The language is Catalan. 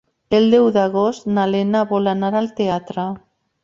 El deu d'agost na Lena vol anar al teatre.